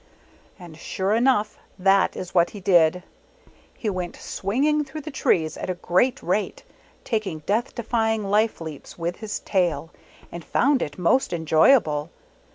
And sure enough, that is what he did ; he went swinging through the trees at a great rate, taking Death defy ing life leaps with his tail, and found it most enjoyable.